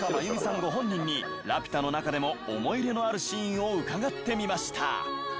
ご本人に『ラピュタ』の中でも思い入れのあるシーンを伺ってみました。